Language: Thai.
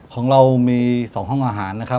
ของเรามี๒ห้องอาหารนะครับ